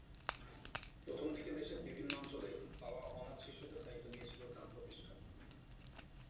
প্রথম দিকে দেশের বিভিন্ন অঞ্চলে পাওয়া অনাথ শিশুদের দায়িত্ব নিয়েছিল তাঁর প্রতিষ্ঠান।